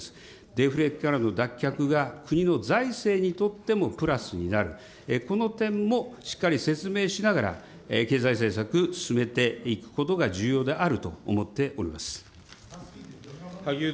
デフレからの脱却が、国の財政にとってもプラスになる、この点もしっかり説明しながら、経済政策、進めていくことが重要であると思っております。